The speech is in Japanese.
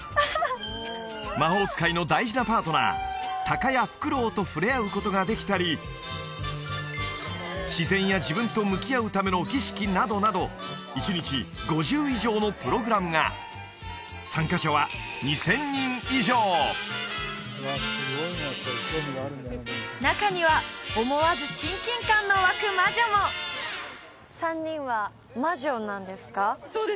魔法使いの大事なパートナータカやフクロウと触れ合うことができたり自然や自分と向き合うための儀式などなど１日５０以上のプログラムが参加者は２０００人以上中には思わず親近感の湧く魔女も３人は魔女なんですか？